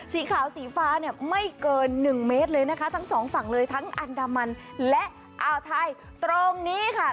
สีขาวสีฟ้าเนี่ยไม่เกินหนึ่งเมตรเลยนะคะทั้งสองฝั่งเลยทั้งอันดามันและอ่าวไทยตรงนี้ค่ะ